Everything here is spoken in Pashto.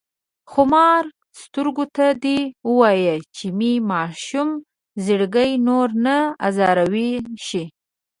خمارو سترګو ته دې وايه چې مې ماشوم زړګی نور نه ازاروينه شي